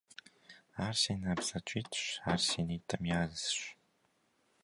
Ар си набдзэкӀитӀщ, ар си нитӀым язщ.